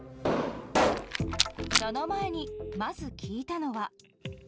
その前にまず聞いたのは。